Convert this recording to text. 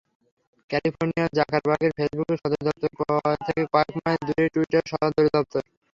ক্যালিফোর্নিয়ায় জাকারবার্গের ফেসবুকের সদর দপ্তর থেকে কয়েক মাইল দূরেই টুইটারের সদর সপ্তর।